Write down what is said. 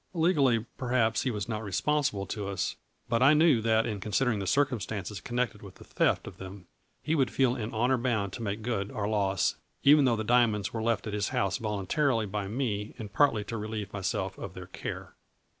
Legally, per haps, he was not responsible to us, but I knew that in considering the circumstances connected with the theft of them, he would feel in honor bound to make good our loss, even though the diamonds were left at his house voluntarily by me and partly to relieve myself of their care.